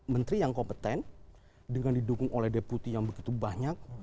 menteri yang kompeten dengan didukung oleh deputi yang begitu banyak